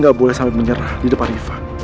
gue gak boleh sampai menyerah di depan rifa